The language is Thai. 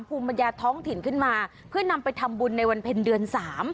ภูมิปัญญาท้องถิ่นขึ้นมาเพื่อนำไปทำบุญในวันเพ็ญเดือน๓